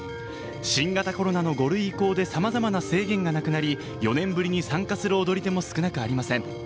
新型コロナの５類移行でさまざまな制限がなくなり４年ぶりに参加する踊り手も少なくありません。